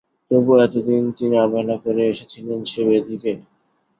তবুও এতদিন তিনি অবহেলা করে এসেছিলেন সে ব্যাধিকে।